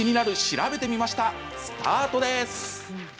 スタートです。